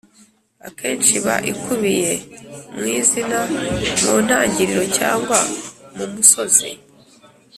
akenshi iba ikubiye mu izina, mu ntangiriro cyangwa mu musozo